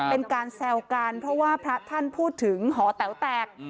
เป็นการแซวกันเพราะว่าพระท่านพูดถึงหอแต๋วแตก